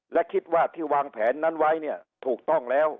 และคิดว่าที่วางแผนนั้นไว้เนี่ยถูกต้องแล้ว